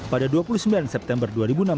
pada dua puluh sembilan september dua ribu enam belas